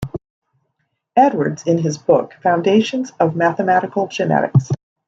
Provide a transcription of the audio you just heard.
Edwards in his book "Foundations of Mathematical Genetics".